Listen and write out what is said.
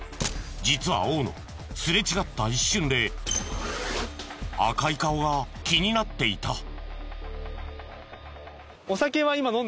実は大野すれ違った一瞬で赤い顔が気になっていた。